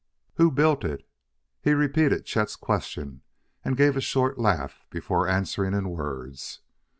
"Who built it?" He repeated Chet's question and gave a short laugh before answering in words.